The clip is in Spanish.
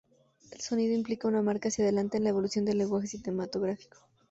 El sonido implica una marca hacia adelante en la evolución del lenguaje cinematográfico.